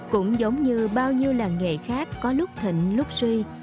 cũng giống như bao nhiêu làng nghề khác có lúc thịnh lúc suy